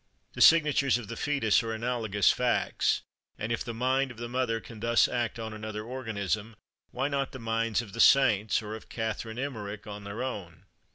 The signatures of the fœtus are analogous facts; and if the mind of the mother can thus act on another organism, why not the minds of the saints, or of Catherine Emmerich, on their own?